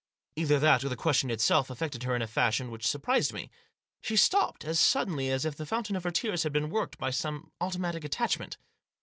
Either that or the question itself affected her in a fashion which surprised me. She stopped as suddenly as if the fountain of her tears had been worked by some automatic attachment.